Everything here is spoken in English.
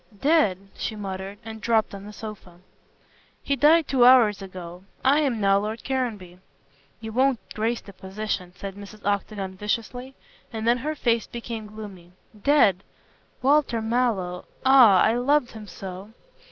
"Dead!" she muttered, and dropped on to the sofa. "He died two hours ago. I am now Lord Caranby." "You won't grace the position," said Mrs. Octagon viciously, and then her face became gloomy. "Dead! Walter Mallow. Ah! I loved him so."